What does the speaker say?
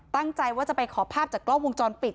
ตั้งใจว่าจะไปขอภาพจากกล้องวงจรปิด